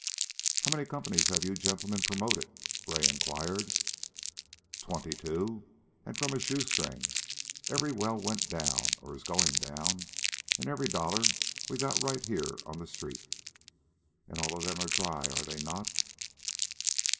"How many companies have you gentlemen promoted?" Gray inquired. "Twenty two. And from a shoestring. Every well went down, or is going down, and every dollar we got right here on the street." "And all of them are dry, are they not?"